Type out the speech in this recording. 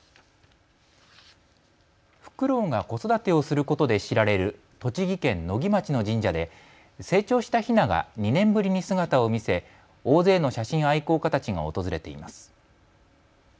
フクロウが子育てをすることで知られる栃木県野木町の神社で成長したヒナが２年ぶりに姿を見せ、大勢の写真愛好家たちが訪れています。